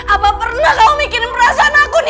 apa pernah kamu mikirin perasaan aku nino